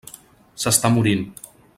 S'està morint.